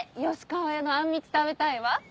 吉川屋のあんみつ食べたいわ。